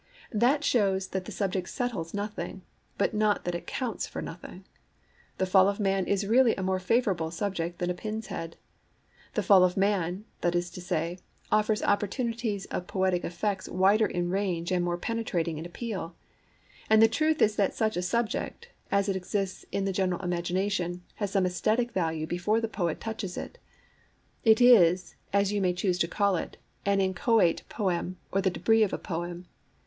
That shows that the subject settles nothing, but not that it counts for nothing. The Fall of Man is really a more favourable subject than a pin's head. The Fall of Man, that is to say, offers opportunities of poetic effects wider in range and more penetrating in appeal. And the truth is that such a subject, as it exists in the general imagination, has some aesthetic value before the poet touches it. It is, as you may choose to call it, an inchoate poem or the débris of a poem.